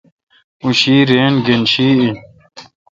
او شی رین گین شی این۔